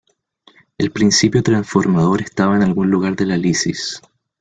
El principio transformador estaba en algún lugar de la lisis.